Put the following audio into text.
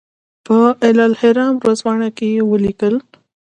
په الاهرام ورځپاڼه کې ولیکل.